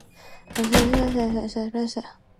Gameplay is that of a simplified roguelike game.